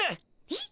えっ？